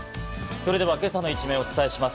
それでは今朝の一面をお伝えします。